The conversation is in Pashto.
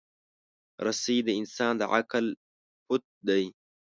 رسۍ د انسان د عقل پُت دی.